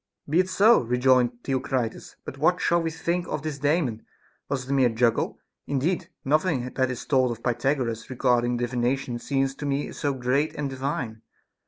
10. Be it so, rejoined Theocritus, but what shall we think of his Daemon'? Was it a mere juggle'? Indeed, nothing that is told of Pythagoras regarding divination seems to me so great and divine.